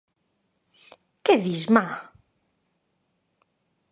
_¿Que dis, ma?